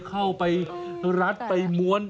เข้าไปรัดไปม้วน